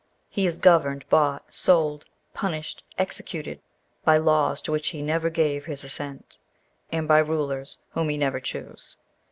He is governed, bought, sold, punished, executed, by laws to which he never gave his assent, and by rulers whom he never chose.